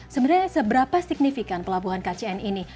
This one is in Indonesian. sebenarnya seberapa signifikan pelabuhan kcn ini